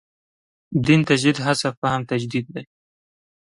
دین تجدید هڅه فهم تجدید دی.